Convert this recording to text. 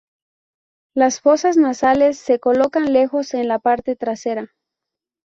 Las fosas nasales se colocan lejos en la parte trasera.